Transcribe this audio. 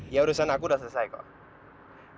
ya urusan aku udah selesai kok